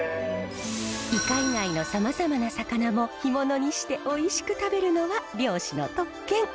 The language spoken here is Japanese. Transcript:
イカ以外のさまざまな魚も干物にしておいしく食べるのは漁師の特権。